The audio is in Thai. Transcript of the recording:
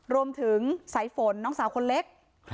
รวมถึงสายฝนน้องสาวคนเล็ก